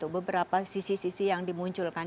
beberapa sisi sisi yang dimunculkan